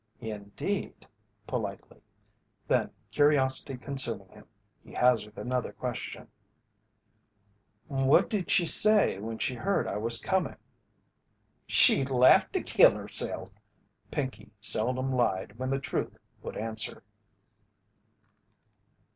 "Indeed," politely. Then, curiosity consuming him, he hazarded another question: "What did she say when she heard I was coming?" "She laughed to kill herself." Pinkey seldom lied when the truth would answer.